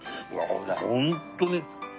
ホントに。